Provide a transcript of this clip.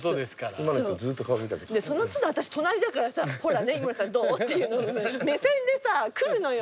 その都度私隣だからさ「ほらね井森さんどう？」っていうの目線でさ来るのよ。